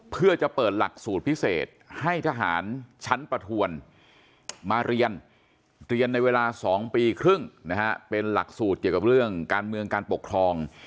เพื่อจะเปิดหลักสูตรพิเศษให้ทหารชั้นประทวนมาเรียนเรียนในเวลา๒ปีครึ่งนะฮะเป็นหลักสูตรเกี่ยวกับเรื่องการเมืองการปกครอง